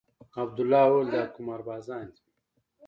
عبدالله وويل دا قمار بازان دي.